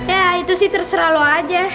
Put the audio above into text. ya itu sih terserah loh aja